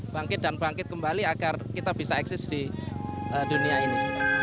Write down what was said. bangkit dan bangkit kembali agar kita bisa eksis di dunia ini